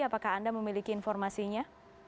apakah anda memiliki informasinya